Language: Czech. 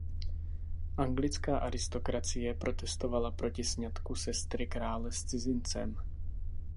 Anglická aristokracie protestovala proti sňatku sestry krále s cizincem.